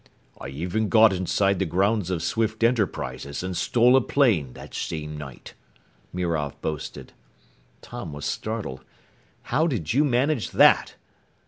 "I even got inside the grounds of Swift Enterprises and stole a plane that same night," Mirov boasted. Tom was startled. "How did you manage that?"